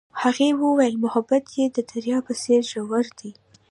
هغې وویل محبت یې د دریا په څېر ژور دی.